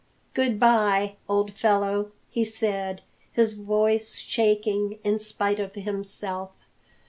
"Good bye, old fellow," he said, his voice shaking in spite of himself.